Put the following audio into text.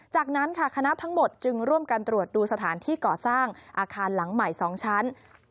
จากนั้นค่ะคณะทั้งหมดจึงร่วมกันตรวจดูสถานที่ก่อสร้างอาคารหลังใหม่๒ชั้น